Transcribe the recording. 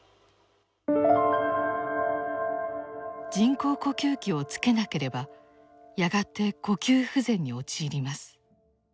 人工呼吸器をつけなければやがて呼吸不全に陥ります。